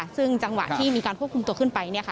ซึ่งจังหวะที่มีการควบคุมตัวขึ้นไป